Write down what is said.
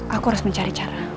aku harus mencari cara